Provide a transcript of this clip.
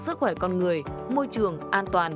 sức khỏe con người môi trường an toàn